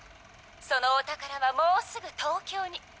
そのお宝はもうすぐ東京に。